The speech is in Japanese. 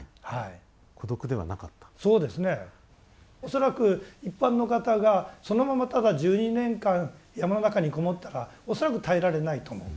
恐らく一般の方がそのままただ１２年間山の中に籠もったら恐らく耐えられないと思う。